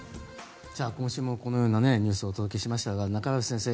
今週もこのようなニュースをお届けしましたが中林先生